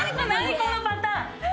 このパターン。